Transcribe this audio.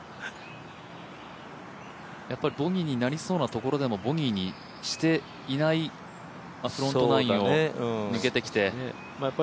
ボギーになりそうなところでも、ボギーにしていない、フロントナインを抜けてきて。